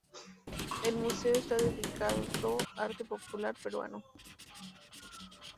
El museo esta dedicado arte popular peruano.